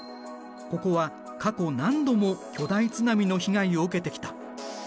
ここは過去何度も巨大津波の被害を受けてきた。